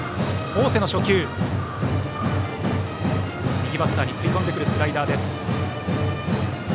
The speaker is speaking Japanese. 大瀬の初球右バッターに食い込んでくるスライダーです。